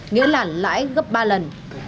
nghĩa là lãi gấp ba lần